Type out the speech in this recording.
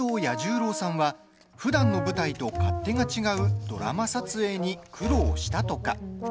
彌十郎さんはふだんの舞台と勝手が違うドラマ撮影に苦労したとか。